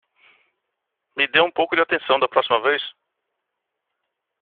Me dê um pouco de atenção da próxima vez!